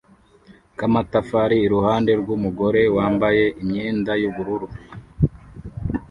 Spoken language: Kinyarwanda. k'amatafari iruhande rw'umugore wambaye imyenda y'ubururu